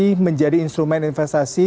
ini menjadi instrumen investasi